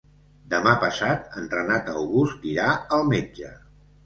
Demà passat en Renat August irà al metge.